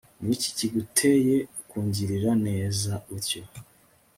ni iki kiguteye kungirira neza utyo